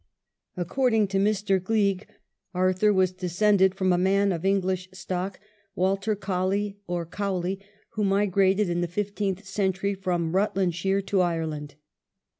According to Mr. Gleig, Arthur was descended from a man of English stock, Walter CoUey or Cowley, who migrated in the fifteenth century from Eutlandshire to Ireland.